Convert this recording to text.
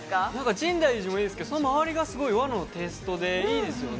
深大寺もいいですが、周りも和のテイストでいいですよね。